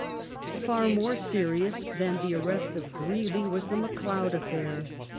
Far more serious than the arrest of Greely was the McLeod afi'air.